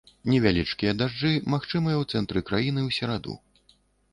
Невялічкія дажджы магчымыя ў цэнтры краіны ў сераду.